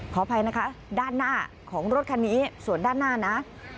ขออภัยนะคะด้านหน้าของรถคันนี้ส่วนด้านหน้านะ